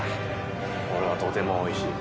これはとてもおいしい。